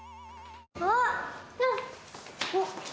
あっ！